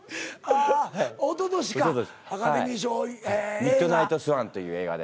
「ミッドナイトスワン」という映画で。